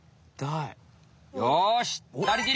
よし！